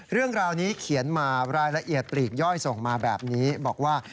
เรื่องราวนี้เขียนมารายละเอียดปลีกย่อยส่งมาแบบนี้บอกว่า